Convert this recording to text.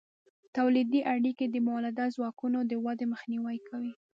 تولیدي اړیکې د مؤلده ځواکونو د ودې مخنیوی کوي.